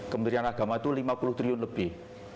kementerian agama itu lima puluh triliun lebih